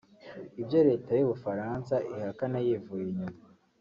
ibyo Leta y’u Bufaransa ihakana yivuye inyuma